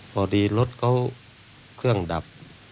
พอดีรถเขาเครื่องดับ